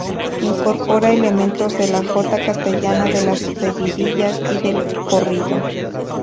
Incorpora elementos de la jota castellana, de las seguidillas y del corrido.